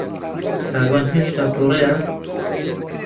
کاروان ھێشتا تووڕەیە.